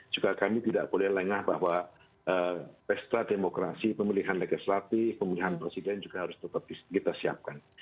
juga kami tidak boleh lengah bahwa pesta demokrasi pemilihan legislatif pemilihan presiden juga harus tetap kita siapkan